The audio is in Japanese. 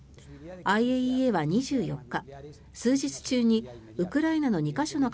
ＩＡＥＡは２４日数日中にウクライナの２か所の